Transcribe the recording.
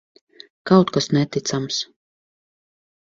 Kaut kas neticams!